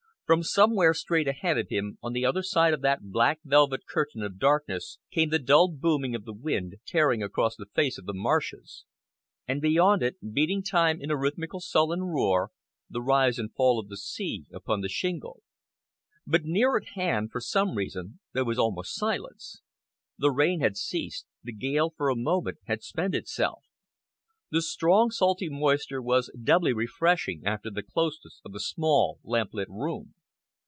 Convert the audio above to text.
From somewhere straight ahead of him, on the other side of that black velvet curtain of darkness, came the dull booming of the wind, tearing across the face of the marshes; and beyond it, beating time in a rhythmical sullen roar, the rise and fall of the sea upon the shingle. But near at hand, for some reason, there was almost silence. The rain had ceased, the gale for a moment had spent itself. The strong, salty moisture was doubly refreshing after the closeness of the small, lamplit room.